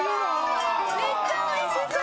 めっちゃおいしそう。